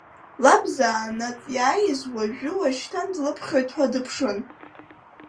Лаб заанаҵ иааиз уажәы уашьҭан длыԥхьоит ҳәа дыԥшын.